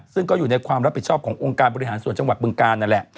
ซึ่งก็อยู่ในความรับผิดชอบขององค์การบริหารส่วนจังหวัดบึงกาลนั่นแหละ